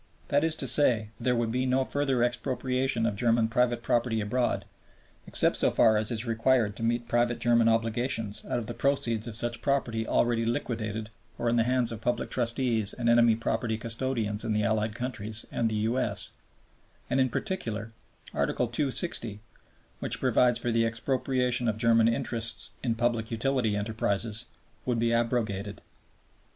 That is to say, there would be no further expropriation of German private property abroad, except so far as is required to meet private German obligations out of the proceeds of such property already liquidated or in the hands of Public Trustees and Enemy Property Custodians in the Allied countries and in the United States; and, in particular, Article 260 (which provides for the expropriation of German interests in public utility enterprises) would be abrogated.